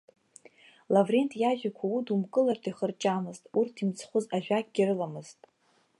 Лаврент иажәақәа удумкылартә ихырҷамызт, урҭ имцхәыз ажәакгьы рыламызт.